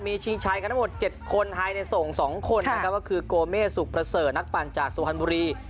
มีชิงชัยกันทั้งหมด๗คนหายในส่ง๒คนคือกโกเมสุประเสริ์นักปัญญาจากสวรรค์บุรี